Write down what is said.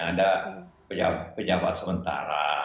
ada pejabat sementara